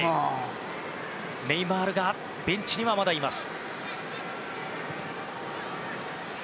ネイマールがベンチには、まだいます。